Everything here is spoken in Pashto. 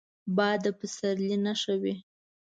باد د پسرلي نښه وي